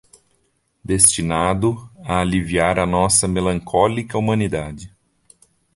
destinado a aliviar a nossa melancólica humanidade